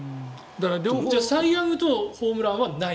サイ・ヤングとホームランはない？